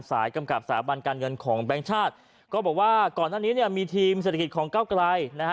กำกับสถาบันการเงินของแบงค์ชาติก็บอกว่าก่อนหน้านี้เนี่ยมีทีมเศรษฐกิจของเก้าไกลนะฮะ